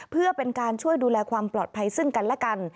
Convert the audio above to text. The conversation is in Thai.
เพื่อเป็นการช่วยดูแลความปลอดภัยซึ่งกันและกัน